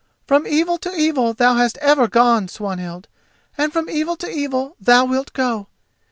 From evil to evil thou hast ever gone, Swanhild, and from evil to evil thou wilt go.